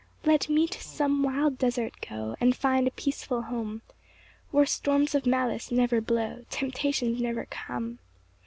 5 Let me to some wild desert go, And find a peaceful home, Where storms of malice never blow, Temptations never come.